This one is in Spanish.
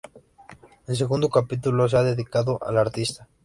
El segundo capítulo se ha dedicado al artista.